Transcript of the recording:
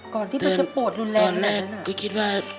ก่อนที่มันจะปวดรุนแรงแบบนั้นตอนแรกก็คิดว่า